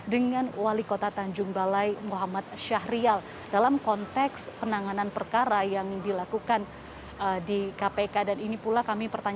dengan wali kesehatan